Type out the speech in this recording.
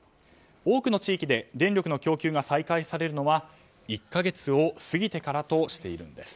多くの地域で電力の供給が再開されるのは１か月を過ぎてからとしているんです。